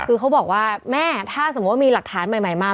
คือเขาบอกว่าแม่ถ้าสมมุติว่ามีหลักฐานใหม่มา